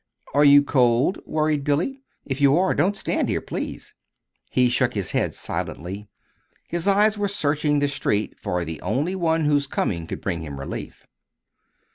"Are you cold?" worried Billy. "If you are, don't stand here, please!" He shook his head silently. His eyes were searching the street for the only one whose coming could bring him relief.